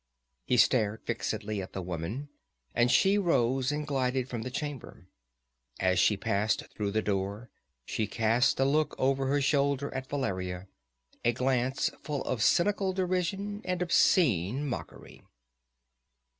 He stared fixedly at the woman, and she rose and glided from the chamber. As she passed through the door she cast a look over her shoulder at Valeria, a glance full of cynical derision and obscene mockery.